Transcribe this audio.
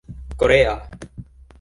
korea